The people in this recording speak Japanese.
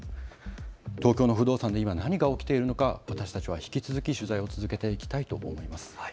東京の不動産で今、何が起きているのか私たちは引き続き取材を続けていきたいと思います。